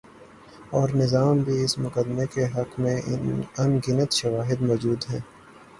اورنظام بھی اس مقدمے کے حق میں ان گنت شواہد مو جود ہیں۔